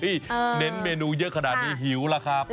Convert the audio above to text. เน้นเมนูเยอะขนาดนี้หิวล่ะครับ